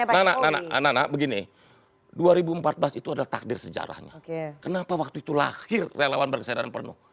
nana nana nana begini dua ribu empat belas itu adalah takdir sejarahnya kenapa waktu itu lahir relawan berkesadaran penuh